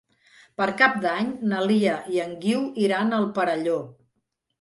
Per Cap d'Any na Lia i en Guiu iran al Perelló.